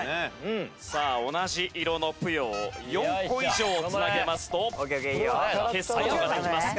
さあ同じ色のぷよを４個以上繋げますと消す事ができます。